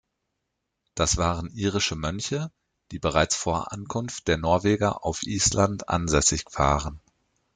Das waren irische Mönche, die bereits vor Ankunft der Norweger auf Island ansässig waren.